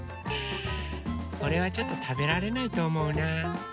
これはちょっとたべられないとおもうなうん。